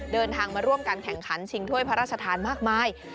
เดินทางมาร่วมกันแข่งขันชิงถ้วยพระราชทานมากมาย